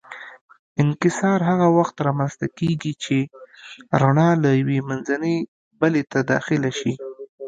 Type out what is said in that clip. انکسار هغه وخت رامنځته کېږي چې رڼا له یوې منځنۍ بلې ته داخله شي.